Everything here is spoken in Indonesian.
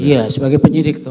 iya sebagai penyidik